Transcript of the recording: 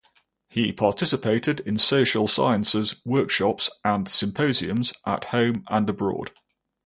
He participated in social sciences workshops and symposiums at home and abroad.